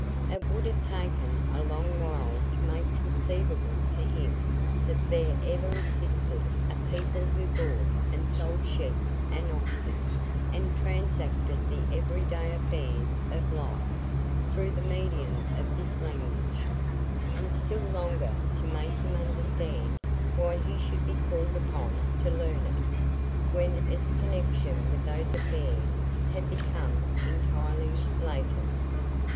It would have taken a long while to make conceivable to him that there ever existed a people who bought and sold sheep and oxen, and transacted the everyday affairs of life, through the medium of this language; and still longer to make him understand why he should be called upon to learn it, when its connection with those affairs had become entirely latent.